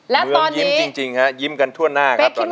เมืองยิ้มจริงฮะยิ้มกันทั่วหน้าครับตอนนี้